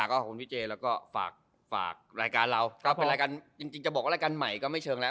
ก็ขอบคุณพี่เจแล้วก็ฝากรายการเราถ้าเป็นรายการจริงจะบอกว่ารายการใหม่ก็ไม่เชิงแล้ว